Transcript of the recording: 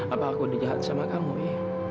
apa aku di jahat sama kamu wi